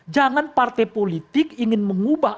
jangan partai politik ingin mengubah